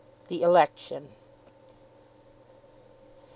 THE ELECTION. Mr.